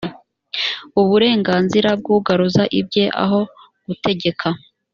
uburenganzira bw ugaruza ibye aho gutegeka.